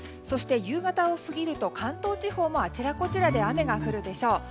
夕方を過ぎると関東地方もあちらこちらで雨が降るでしょう。